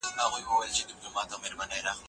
په کابل کي د صنعت لپاره کار چاپیریال څنګه دی؟